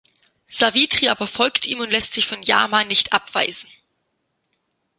Savitri aber folgt ihm und lässt sich von Yama nicht abweisen.